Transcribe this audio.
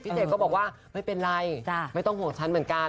เจก็บอกว่าไม่เป็นไรไม่ต้องห่วงฉันเหมือนกัน